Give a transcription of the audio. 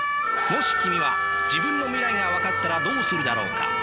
もし君は自分の未来が分かったらどうするだろうか？